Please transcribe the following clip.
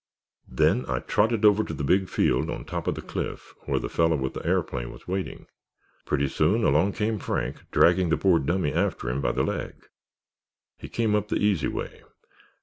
"Then I trotted over to the big field on top of the cliff where the fellow with the aeroplane was waiting. Pretty soon along came Frank dragging the poor dummy after him by the leg. He came up the easy way.